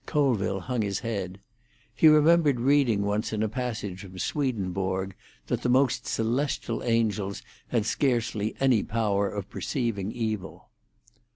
Colville hung his head. He remembered reading once in a passage from Swedenborg, that the most celestial angels had scarcely any power of perceiving evil.